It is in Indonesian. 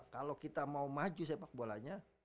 kalau kita mau maju sepak bolanya